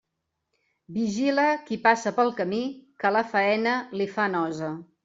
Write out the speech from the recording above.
Vigila qui passa pel camí, que la faena li fa nosa.